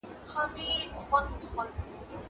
زه بايد موبایل کار کړم!!